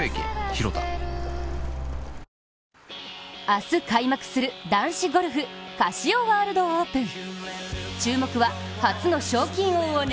ＪＴ明日開幕する男子ゴルフ、カシオワールドオープン。